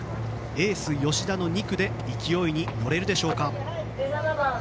エース吉田の２区で勢いに乗れるでしょうか。